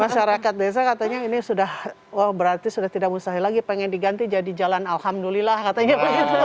masyarakat desa katanya ini sudah wah berarti sudah tidak mustahil lagi pengen diganti jadi jalan alhamdulillah katanya begitu